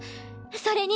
それに。